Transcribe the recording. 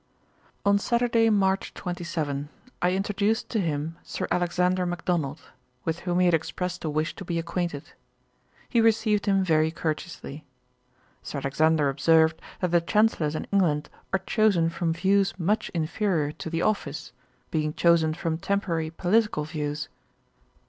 On Saturday, March 27, I introduced to him Sir Alexander Macdonald, with whom he had expressed a wish to be acquainted. He received him very courteously. Sir Alexander observed, that the Chancellors in England are chosen from views much inferiour to the office, being chosen from temporary political views.